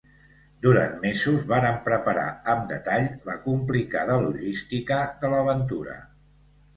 Durant mesos varen preparar amb detall la complicada logística de l'aventura.